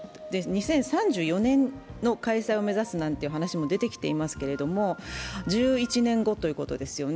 ２０３４年の開催を目指すなんて話も出てきていますけれども、１１年後ということですよね。